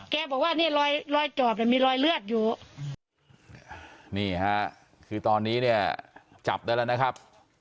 แกบอกว่านี่รอยรอยจอบเนี่ยมีรอยเลือดอยู่นี่ฮะคือตอนนี้เนี่ยจับได้แล้วนะครับ